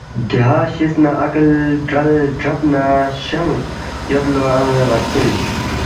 دہا شیس نہ عقل ڈرل ڈرب نہ شنگ یوولو اَنوے غرژینگ